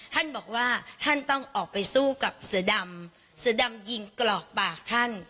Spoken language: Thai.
ท่านบอกว่าท่านต้องออกไปสู้กับเสือดำเสือดำยิงกรอกปากท่าน